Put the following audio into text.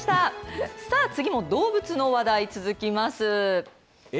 さあ次も動物の話題続きます。